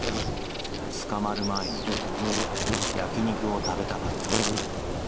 捕まる前に焼き肉を食べたかった。